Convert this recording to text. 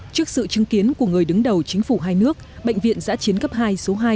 trước sự chứng kiến của người đứng đầu chính phủ hai nước bệnh viện giã chiến cấp hai số hai